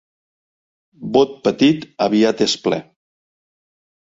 Bot petit aviat és ple.